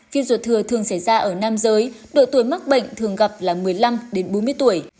phiên ruột thừa thường xảy ra ở nam giới độ tuổi mắc bệnh thường gặp là một mươi năm bốn mươi tuổi